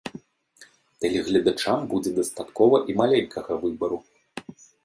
Тэлегледачам будзе дастаткова і маленькага выбару.